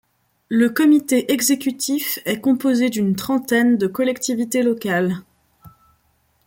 Le comité exécutif est composé d'une trentaine de collectivités locales.